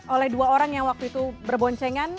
oleh dua orang yang waktu itu berboncengan